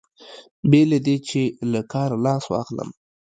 بې له دې چې له کاره لاس واخلم.